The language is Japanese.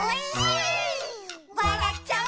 「わらっちゃう」